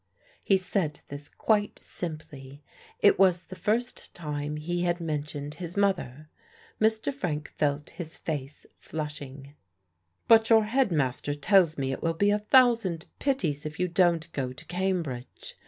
He said this quite simply. It was the first time he had mentioned his mother. Mr. Frank felt his face flushing. "But your headmaster tells me it will be a thousand pities if you don't go to Cambridge.